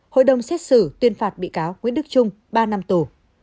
hội đồng xét xử tuyên phạt bị cáo nguyễn đức trung ba năm tù